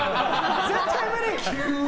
絶対無理！